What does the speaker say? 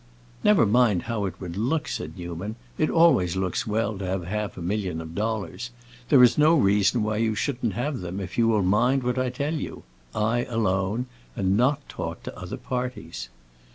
"Never mind how it would look," said Newman. "It always looks well to have half a million of dollars. There is no reason why you shouldn't have them if you will mind what I tell you—I alone—and not talk to other parties."